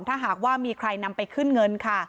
ถ้าหากว่ามีใครนำไปขึ้นเงินค่ะ